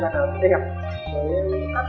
những tranh rất là đẹp